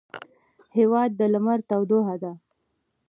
هېواد د لمر تودوخه ده.